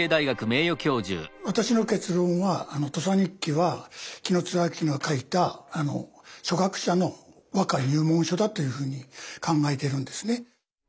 私の結論は「土佐日記」は紀貫之が書いた初学者の和歌入門書だというふうに考えているんですね。